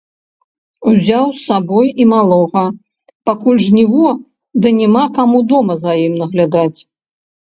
Узяў з сабою і малога, пакуль жніво ды няма каму дома за ім наглядаць.